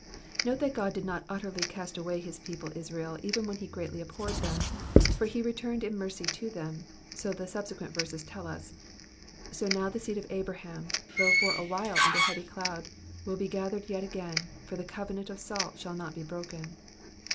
Note that God did not utterly cast away his people Israel even when he greatly abhorred them, for he returned in mercy to them, so the subsequent verses tell us : so now the seed of Abraham, though for awhile under a heavy cloud, will be gathered yet again, for the covenant of salt shall not be broken.